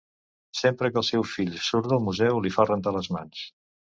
Sempre que el seu fill surt del museu li fa rentar les mans.